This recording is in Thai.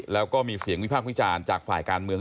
แล้วก็มีเสียงวิพากษ์วิจารณ์จากฝ่ายการเมือง